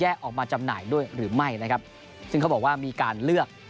ออกมาจำหน่ายด้วยหรือไม่นะครับซึ่งเขาบอกว่ามีการเลือก